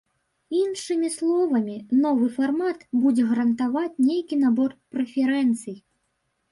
Іншымі словамі, новы фармат будзе гарантаваць нейкі набор прэферэнцый.